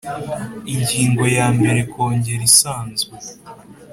Ingingo ya mbere Kongere isanzwe